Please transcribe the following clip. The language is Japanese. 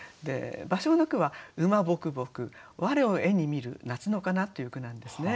芭蕉の句は「馬ぼくぼく我をゑに見る夏野哉」という句なんですね。